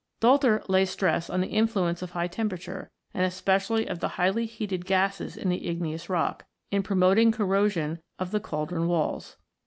Doelter lays stress on the influence of high temperature, and especially of the highly heated gases in the igneous rock, in promoting corrosion of the cauldron walls.